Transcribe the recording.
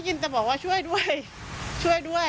ินแต่บอกว่าช่วยด้วยช่วยด้วย